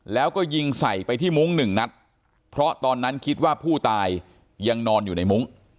แล้วก็ยิงใส่ไปที่มุ้งหนึ่งนัดเพราะตอนนั้นคิดว่าผู้ตายยังนอนอยู่ในมุ้ง